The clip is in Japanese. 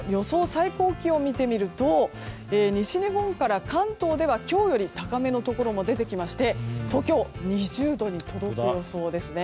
最高気温を見てみると西日本から関東では今日より高めのところも出てきまして東京２０度に届く予想ですね。